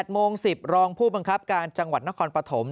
โมง๑๐รองผู้บังคับการจังหวัดนครปฐม